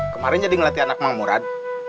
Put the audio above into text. kemarin jadi ngelatih anak mam murad